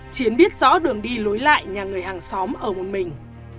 chiến biết rõ đường đi lối lại nhà người hàng xóm ở một mình